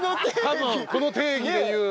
多分この定義で言う。